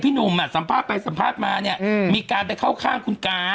พี่หนุมสัมภาพไปสัมภาษณ์มามีการไปข้าวข้างคุณการ